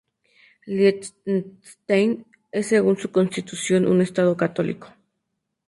Liechtenstein es, según su constitución, un estado católico.